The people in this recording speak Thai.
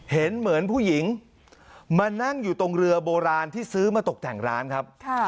เห็นเหมือนผู้หญิงมานั่งอยู่ตรงเรือโบราณที่ซื้อมาตกแต่งร้านครับ